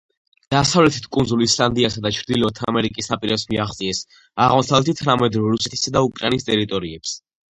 დასავლეთით კუნძულ ისლანდიასა და ჩრდილოეთ ამერიკის ნაპირებს მიაღწიეს, აღმოსავლეთით თანამედროვე რუსეთისა და უკრაინის ტერიტორიებს.